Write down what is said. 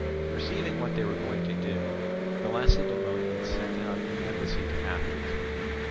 Perceiving what they were going to do, the Lacedaemonians sent an embassy to Athens.